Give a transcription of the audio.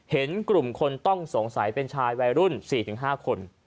เห็นกลุ่มคนต้องสงสัยเป็นชายวัยรุ่น๔๕คน